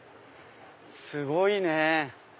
すごいね！